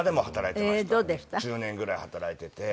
１０年ぐらい働いていて。